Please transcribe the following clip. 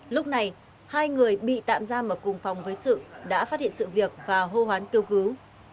lúc này hai người bị tạm giam ở cùng phòng với sự đã phát hiện sự việc và hô hoán kêu cứu